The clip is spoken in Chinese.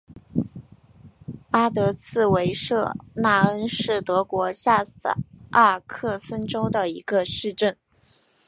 巴德茨维舍纳恩是德国下萨克森州的一个市镇。